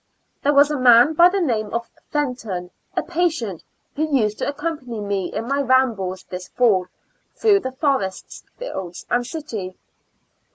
There was a man by the name of Fenton, a patient who used to accompany me in my rambles this fall, through the forests, IN A L UNA TIC A STL UM. \*J\ fields and city.